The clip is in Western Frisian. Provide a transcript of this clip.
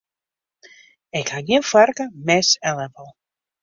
Ik ha gjin foarke, mes en leppel.